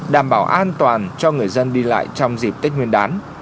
đảm bảo an toàn cho người dân đi lại trong dịp tết nguyên đán